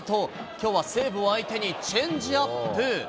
きょうは西武を相手にチェンジアップ。